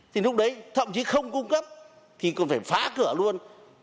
thì lúc đấy thậm chí không cung cấp thì còn phải phá cửa luôn